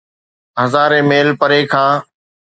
هزارين ميل پري کان.